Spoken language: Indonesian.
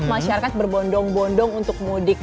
masyarakat berbondong bondong untuk mudik